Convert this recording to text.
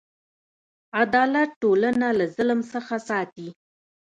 عدالت ټولنه له ظلم څخه ساتي.